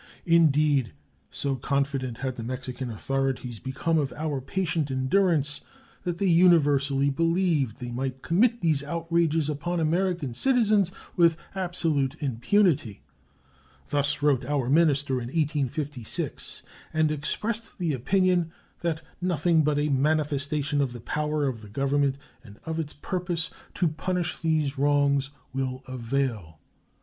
Indeed, so confident had the Mexican authorities become of our patient endurance that they universally believed they might commit these outrages upon American citizens with absolute impunity. Thus wrote our minister in 1856, and expressed the opinion that "nothing but a manifestation of the power of the Government and of its purpose to punish these wrongs will avail."